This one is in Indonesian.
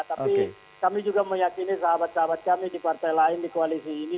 tapi kami juga meyakini sahabat sahabat kami di partai lain di koalisi ini